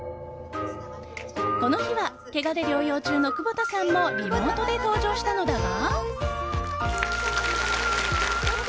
この日はけがで療養中の窪田さんもリモートで登場したのだが。